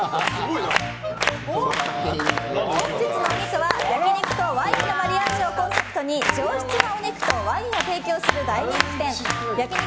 本日のお肉は焼き肉とワインのマリアージュをコンセプトに上質なお肉とワインを提供する大人気店焼肉